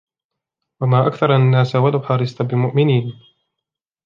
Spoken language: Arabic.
وما أكثر الناس ولو حرصت بمؤمنين